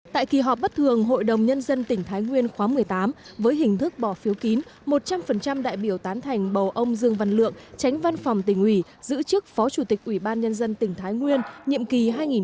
tại kỳ họp bất thường hội đồng nhân dân tỉnh thái nguyên khóa một mươi tám với hình thức bỏ phiếu kín một trăm linh đại biểu tán thành bầu ông dương văn lượng tránh văn phòng tỉnh ủy giữ chức phó chủ tịch ủy ban nhân dân tỉnh thái nguyên nhiệm kỳ hai nghìn một mươi sáu hai nghìn hai mươi một